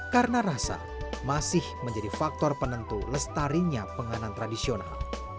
karena rasa masih menjadi faktor penentu lestarinya penganan tradisional